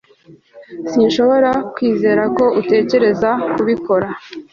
Sinshobora kwizera ko utekereza kubikora